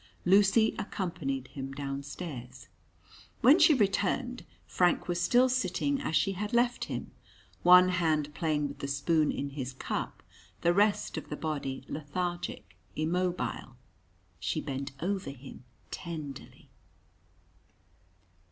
Lucy accompanied him downstairs. When she returned, Frank was still sitting as she had left him one hand playing with the spoon in his cup, the rest of the body lethargic, immobile. She bent over him tenderly.